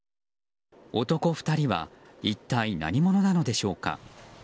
男２人は一体、何者なのでしょうか。